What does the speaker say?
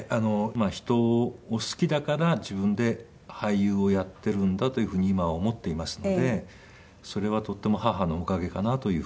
人を好きだから自分で俳優をやっているんだというふうに今は思っていますのでそれはとっても母のおかげかなというふうに思っています。